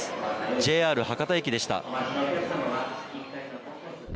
ＪＲ博多駅でした。